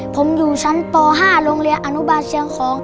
ผมอยู่ชั้นป๕โรงเรียนอนุบาลเชียงของ